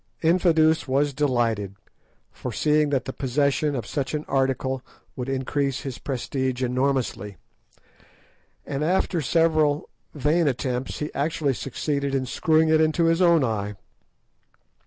Infadoos was delighted, foreseeing that the possession of such an article would increase his prestige enormously, and after several vain attempts he actually succeeded in screwing it into his own eye.